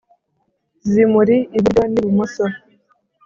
zimuri iburyo ni bumoso.